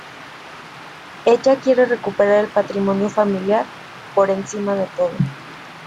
Ella quiere recuperar el patrimonio familiar, por encima de todo.